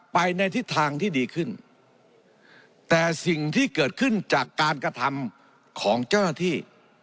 ไปในทิศทางที่ดีขึ้นแต่สิ่งที่เกิดขึ้นจากการกระทำของเจ้าหน้าที่